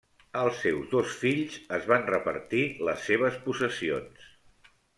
Els seus dos fills es van repartir les seves possessions.